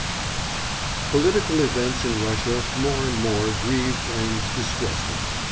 Political events in Russia more and more grieved and distressed him.